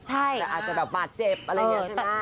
แต่อาจจะแบบบาดเจ็บอะไรอย่างนี้ใช่ไหม